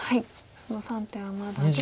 その３手はまだで。